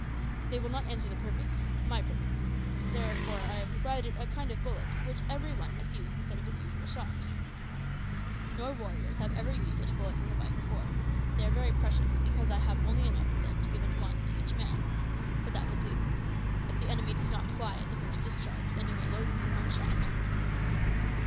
They will not answer the purpose my purpose; therefore I have provided a kind of bullet which every one must use instead of his usual shot. No warriors ever used such bullets in the fight before. They are very precious, because I have only enough of them to give one to each man. But that will do. If the enemy does not fly at the first discharge, then you may load with your own shot."